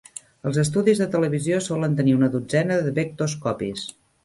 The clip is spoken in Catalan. Els estudis de televisió solen tenir una dotzena de vectoscopis.